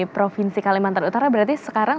provinsi kalimantan utara berarti sekarang